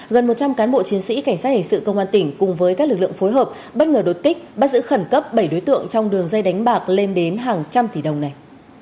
gần một trăm linh cán bộ chiến sĩ cảnh sát hình sự công an tỉnh cùng với các lực lượng phối hợp bất ngờ đột kích bắt giữ khẩn cấp bảy đối tượng trong đường dây đánh bạc lên đến hàng trăm tỷ đồng này